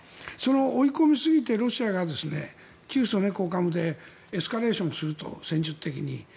追い込みすぎてロシアが窮鼠猫をかむでエスカレーションすると戦術的に。